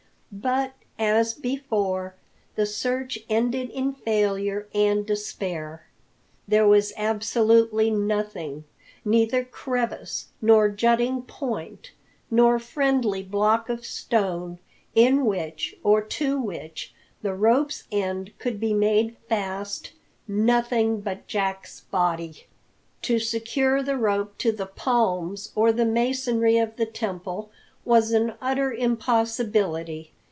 But, as before, the search ended in failure and despair. There was absolutely nothing neither crevice, nor jutting point, nor friendly block of stone in which, or to which, the rope's end could be made fast: nothing but Jack's body! To secure the rope to the palms or the masonry of the temple was an utter impossibility.